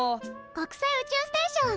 国際宇宙ステーション！